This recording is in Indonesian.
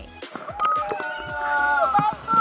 bantu aja dibantu